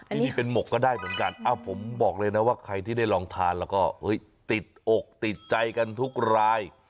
ที่นี่เป็นหมกก็ได้เหมือนกันผมบอกเลยนะว่าใครที่ได้ลองทานแล้วก็ติดอกติดใจกันทุกราย